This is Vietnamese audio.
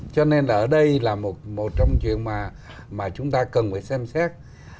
cho nên ở đây là một trong chuyện mà chúng ta cần phải xem xét